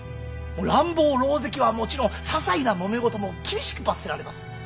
乱暴狼藉はもちろんささいなもめ事も厳しく罰せられます。